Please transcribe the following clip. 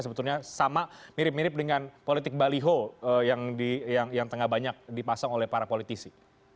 sebetulnya sama mirip mirip dengan politik baliho yang tengah banyak dipasang oleh para politisi